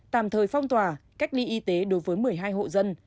tạm thời phong tỏa cách ly y tế đối với một mươi hai hộ dân